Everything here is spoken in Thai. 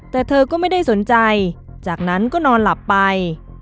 แต่เธอก็ไม่ได้สนใจจากนั้นก็นอนหลับไป